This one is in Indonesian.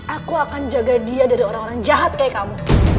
aku akan jaga dia dari orang orang jahat kayak kamu